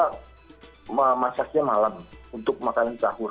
kita masaknya malam untuk makanan sahur